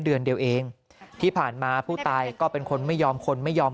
เดือนเดียวเองที่ผ่านมาผู้ตายก็เป็นคนไม่ยอมคนไม่ยอม